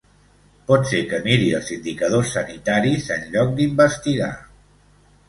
Potser que miri els indicadors sanitaris, en lloc d’investigar.